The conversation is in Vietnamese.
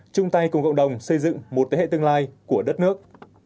chung tay cùng cộng đồng xây dựng một thế hệ tương lai của đất nước